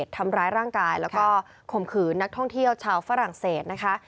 ทำร้ายร่างกายแล้วก็ข่มขืนนักท่องเที่ยวชาวฝรั่งเศสนะคะ